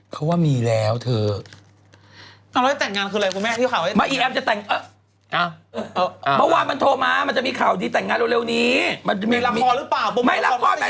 ก็วันหน้าที่หนูรู้ข้าไม่เล่าอะไรห้องนั้นแล้วเนี่ย